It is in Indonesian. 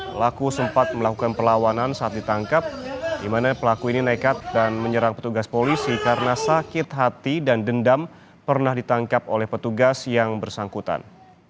pelaku sempat melakukan perlawanan saat ditangkap di mana pelaku ini nekat dan menyerang petugas polisi karena sakit hati dan dendam pernah ditangkap oleh petugas yang bersangkutan